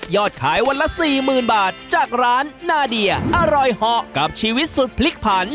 ขายวันละสี่หมื่นบาทจากร้านนาเดียอร่อยเหาะกับชีวิตสุดพลิกผัน